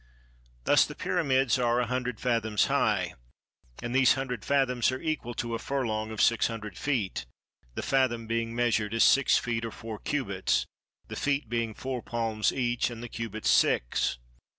Thus the pyramids are a hundred fathoms high; and these hundred fathoms are equal to a furlong of six hundred feet, the fathom being measured as six feet or four cubits, the feet being four palms each, and the cubits six.